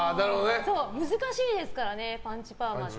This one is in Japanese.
難しいですからねパンチパーマって。